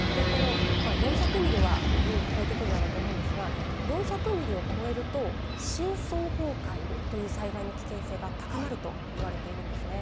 ４００ミリはゆうに超えてくるだろうと思うんですが、４００ミリを超えると深層崩壊という災害の危険性が高まると言われています。